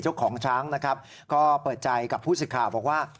เจ้าของช้างนะครับก็เปิดใจกับผู้สิทธิ์ข่าวบอกว่า